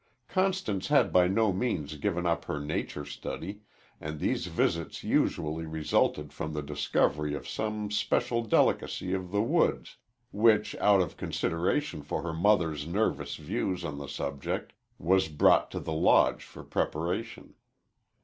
Constance had by no means given up her nature study, and these visits usually resulted from the discovery of some especial delicacy of the woods which, out of consideration for her mother's nervous views on the subject, was brought to the Lodge for preparation.